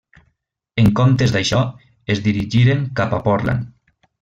En comptes d'això, es dirigiren cap a Portland.